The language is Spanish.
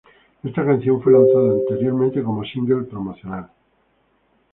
Esta canción fue lanzada anteriormente como single promocional.